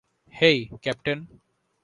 হেই, captain.